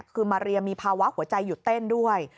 คือมาเรียมีภาวะหัวใจหยุดเต้นด้วย